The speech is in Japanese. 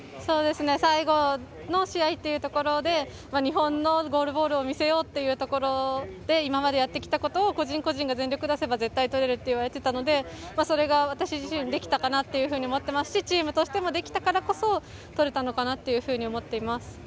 最後の試合というところで日本のゴールボールを見せようというところで今までやってきたことを個人個人が全力を出せば絶対とれるって言われていたのでそれが、私自身できたかなと思ってますしチームとしてもできたからこそとれたのかなと思っています。